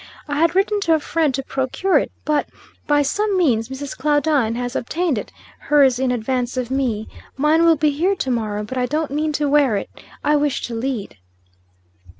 I had written to a friend to procure it; but, by some means, Mrs. Claudine has obtained hers in advance of me. Mine will be here to morrow, but I don't mean to wear it. I wish to lead."